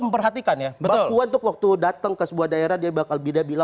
memperhatikan ya waktu datang ke sebuah daerah dia bakal bila bila